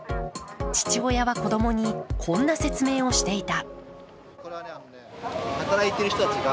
父親は子供にこんな説明をしていた。